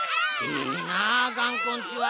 いいなあがんこんちは。